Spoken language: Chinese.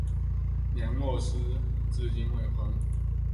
梁洛施至今未婚。